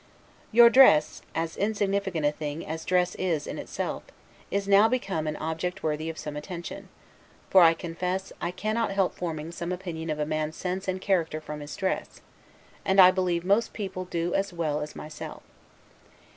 Your dress (as insignificant a thing as dress is in itself) is now become an object worthy of some attention; for, I confess, I cannot help forming some opinion of a man's sense and character from his dress; and I believe most people do as well as myself.